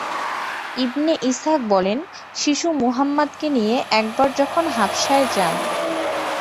ইবনে Ishaq বলেন, শিশু মুহাম্মাদকে নিয়ে একবার যখন হাবশায় যান।